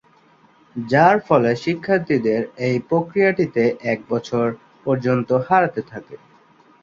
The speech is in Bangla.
যার ফলে শিক্ষার্থীদের এই প্রক্রিয়াটিতে এক বছর পর্যন্ত হারাতে থাকে।